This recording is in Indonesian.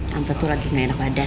sampai tuh lagi gak enak badan